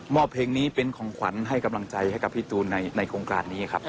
เพลงนี้เป็นของขวัญให้กำลังใจให้กับพี่ตูนในโครงการนี้ครับ